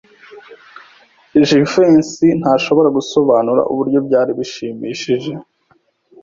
Jivency ntashobora gusobanura uburyo byari bishimishije.